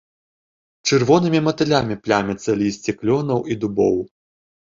Чырвонымі матылямі пляміцца лісце клёнаў і дубоў.